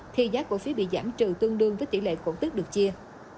thì giá cổ phiếu bị giảm trừ tương đương với tỷ lệ cổ tức được chia